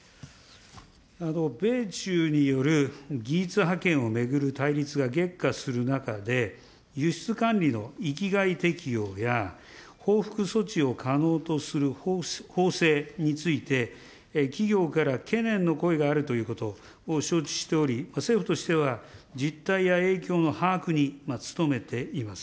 米中による技術覇権を巡る対立が激化する中で、輸出管理の域外適用や、報復措置を可能とする法制について、企業から懸念の声があるということを承知しており、政府としては実態や影響の把握に努めています。